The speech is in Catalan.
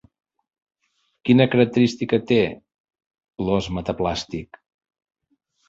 Quina característica té l'os metaplàstic?